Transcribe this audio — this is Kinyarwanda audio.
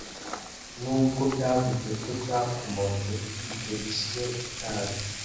nubwo byavuzwe ko cyakomotse kuri verisiyo itazwi